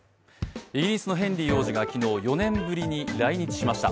イギリスのヘンリー王子が昨日４年ぶりに来日しました。